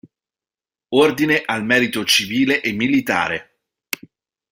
Ordine al merito civile e militare